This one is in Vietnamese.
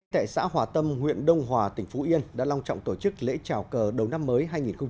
tại xã hòa tâm huyện đông hòa tỉnh phú yên đã long trọng tổ chức lễ trào cờ đầu năm mới hai nghìn hai mươi